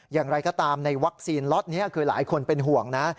อย่างไรก็ตามในวัคซีนล็อตนี้คือหลายคนเป็นห่วงนะ